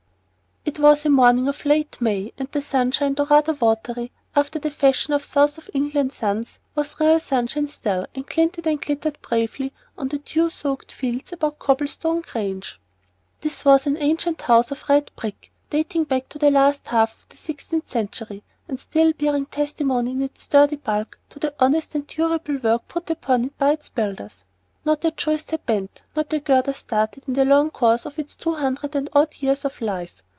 IT was a morning of late May, and the sunshine, though rather watery, after the fashion of South of England suns, was real sunshine still, and glinted and glittered bravely on the dew soaked fields about Copplestone Grange. This was an ancient house of red brick, dating back to the last half of the sixteenth century, and still bearing testimony in its sturdy bulk to the honest and durable work put upon it by its builders. Not a joist had bent, not a girder started in the long course of its two hundred and odd years of life.